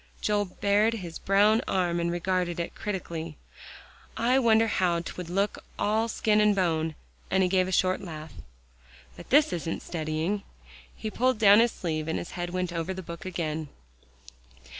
'" Joel bared his brown arm and regarded it critically. "I wonder how 'twould look all skin and bone," and he gave a short laugh. "But this isn't studying." He pulled down his sleeve, and his head went over the book again.